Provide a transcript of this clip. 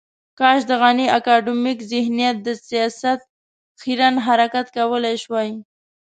کاش د غني اکاډمیک ذهنیت د سياست خیرن حرکات کولای شوای.